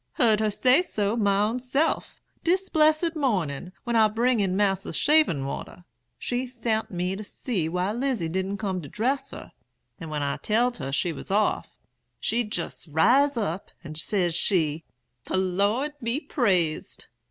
"'Heard her say so, my own self, dis blessed mornin', when I bring in Mas'r's shaving water. She sent me to see why Lizy didn't come to dress her; and when I telled her she was off, she jes ris up, and ses she, "The Lord be praised!"